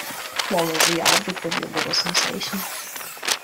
What was the object of your little sensation.